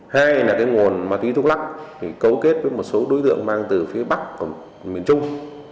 hai là nguồn ma túy thuốc lắc cấu kết với một số đối tượng mang từ phía bắc và miền trung